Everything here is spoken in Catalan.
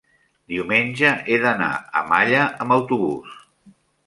diumenge he d'anar a Malla amb autobús.